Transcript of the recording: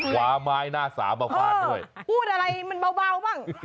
วาไม้หน้าสามมาฟาดด้วยพูดอะไรมันเบาบ้าง